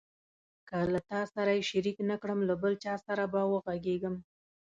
که له تا سره یې شریک نه کړم له بل چا سره به وغږېږم.